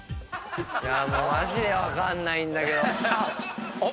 もうマジで分かんないんだけどあっ！